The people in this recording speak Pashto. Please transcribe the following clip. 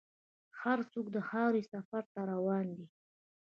هر څوک د خاورې سفر ته روان دی.